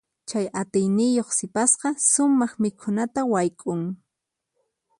Chay atiyniyuq sipasqa sumaq mikhunata wayk'un.